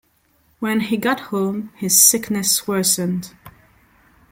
When he got home his sickness worsened.